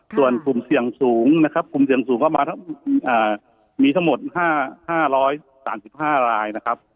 ส่วนกลุ่มเสี่ยงสูงนะครับกลุ่มเสี่ยงสูงก็มามีทั้งหมด๕๓๕รายนะครับ